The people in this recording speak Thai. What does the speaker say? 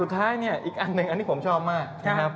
สุดท้ายอีกอันหนึ่งอันนี้ผมชอบมาก